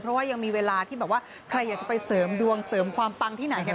เพราะยังมีเวลาใครอยากจะไปเสริมความดวงที่ไหน